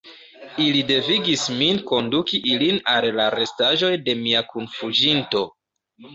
Ili devigis min konduki ilin al la restaĵoj de mia kunfuĝinto.